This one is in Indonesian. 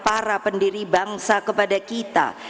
para pendiri bangsa kepada kita